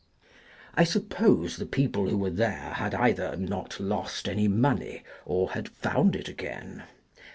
I suppose the people who were there, had either not lost any money, or had found it again.